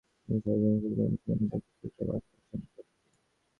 আমি সারা জীবন ফুটবলের সঙ্গে থাকতে চাই, চাই বার্সেলোনার সঙ্গে থাকতে।